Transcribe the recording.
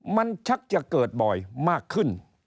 มันชักจะเกิดบ่อยมากขึ้น